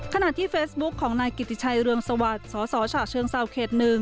ขณะที่เฟซบุ๊คของนายกิติชัยเรืองสวัสดิ์สสฉะเชิงเซาเขต๑